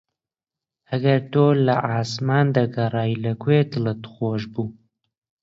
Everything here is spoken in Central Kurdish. ئەگەر تۆ لە عاسمان دەگەڕای لە کوێ دڵت خۆش بوو؟